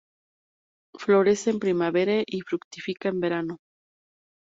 Florece en primavera y fructifica en verano.